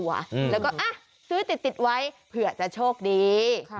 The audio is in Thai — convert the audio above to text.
แล้วก็ซื้อติดไว้เผื่อจะโชคดี